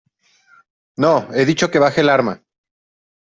¡ no! he dicho que baje el arma.